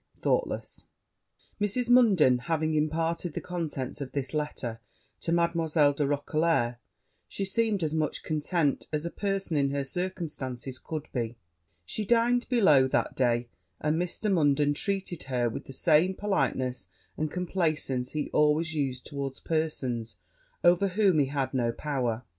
THOUGHTLESS.' Mrs. Munden having imparted the contents of this letter to Mademoiselle de Roquelair, she seemed as much contented as a person in her circumstances could be: she dined below that day; and Mr. Munden treated her with the same politeness and complaisance he always used towards persons over whom he had no power.